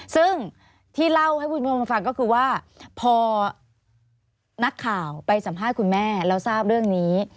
ซึ่งที่เล่าให้คุณผู้ชมมาฟังก็คือว่าพอนักข่าวไปสัมภาษณ์คุณแม่แล้วทราบเรื่องนี้